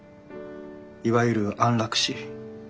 いわゆる安楽死。